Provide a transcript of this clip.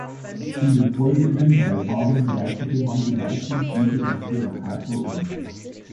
In den folgenden drei Tagen leitete man die meisten Flüge nach Surakarta um.